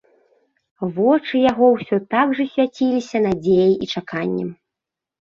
Вочы яго ўсё так жа свяціліся надзеяй і чаканнем.